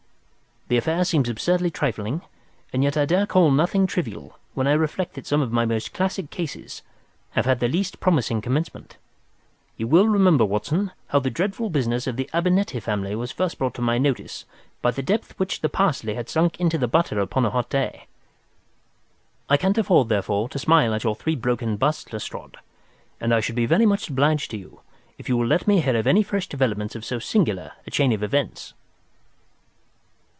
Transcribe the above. The affair seems absurdly trifling, and yet I dare call nothing trivial when I reflect that some of my most classic cases have had the least promising commencement. You will remember, Watson, how the dreadful business of the Abernetty family was first brought to my notice by the depth which the parsley had sunk into the butter upon a hot day. I can't afford, therefore, to smile at your three broken busts, Lestrade, and I shall be very much obliged to you if you will let me hear of any fresh development of so singular a chain of events."